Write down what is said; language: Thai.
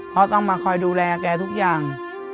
ต้องมาคอยดูแลแกทุกอย่าง